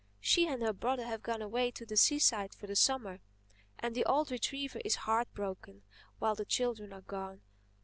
She and her brother have gone away to the seaside for the Summer; and the old retriever is heart broken while the children are gone.